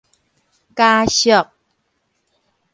家宿